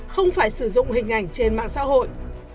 không phải sử dụng hình ảnh trên mạng xã hội